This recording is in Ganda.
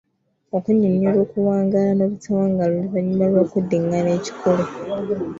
Okunnyonnyola okuwangaala n’obutawangaala oluvannyuma lw’okuddingaana ekikolo.